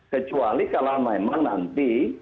kecuali kalau memang nanti